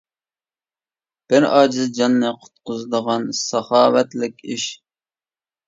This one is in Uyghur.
بىر ئاجىز جاننى قۇتقۇزىدىغان ساخاۋەتلىك ئىش.